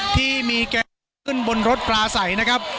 ที่มีแก๊สขึ้นบนรถปลาใสนะครับ